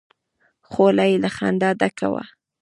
خوله يې له خندا ډکه وه.